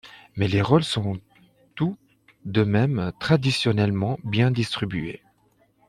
Mais les rôles sont tout de même traditionnellement bien distribués.